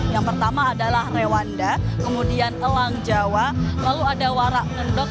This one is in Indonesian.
yang pertama adalah rewanda kemudian elang jawa lalu ada warak ngendok